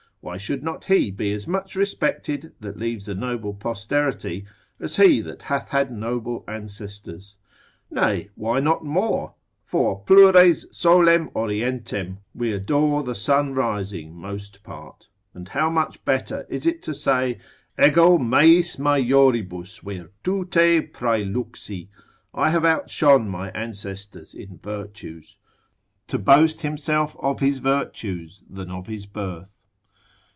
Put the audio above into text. why should not he be as much respected that leaves a noble posterity, as he that hath had noble ancestors? nay why not more? for plures solem orientem we adore the sun rising most part; and how much better is it to say, Ego meis majoribus virtute praeluxi, (I have outshone my ancestors in virtues), to boast himself of his virtues, than of his birth?